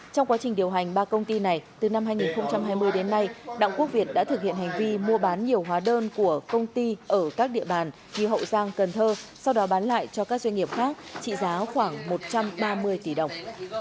trong quá trình điều hành ba công ty này từ năm hai nghìn hai mươi đến nay đặng quốc việt đã thực hiện hành vi mua bán nhiều hóa đơn của công ty ở các địa bàn như hậu giang cần thơ sau đó bán lại cho các doanh nghiệp khác trị giá khoảng một trăm ba mươi tỷ đồng